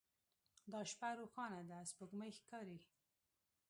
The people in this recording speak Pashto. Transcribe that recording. دا شپه روښانه ده سپوږمۍ ښکاري